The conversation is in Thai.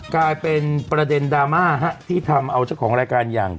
กลายเป็นประเด็นดราม่าที่ทำเอาเจ้าของรายการอย่าง